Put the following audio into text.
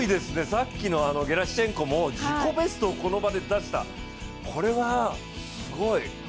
さっきのゲラシュチェンコも自己ベストをこの場で出したこれはすごい。